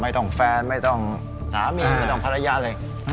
อ๋อไม่ต้องแฟนไม่ต้องสามีไม่ต้องภรรยาเลย